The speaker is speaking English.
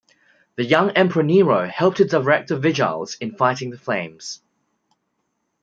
The young Emperor Nero helped to direct the Vigiles in fighting the flames.